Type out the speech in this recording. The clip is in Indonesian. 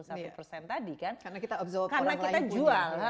karena kita jual